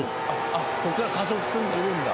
こっから加速するんだ。